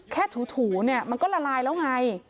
ถูเนี่ยมันก็ละลายแล้วไง